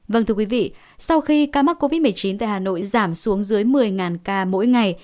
vâng thưa quý vị sau khi ca mắc covid một mươi chín tại hà nội giảm xuống dưới một mươi ca mỗi ngày